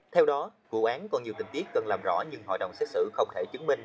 theo đó vụ án còn nhiều tình tiết cần làm rõ nhưng hội đồng xét xử không thể chứng minh